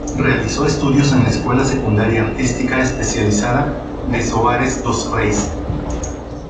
Realizó estudios en la Escuela Secundaria Artística Especializada de Soares dos Reis.